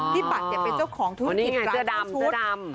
พี่ปัดยังเป็นเจ้าชีวิตชลัดและลิเวณเสื้อดำ